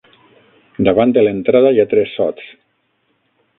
Davant de l'entrada hi ha tres sots.